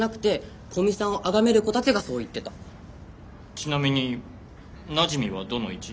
ちなみになじみはどの位置？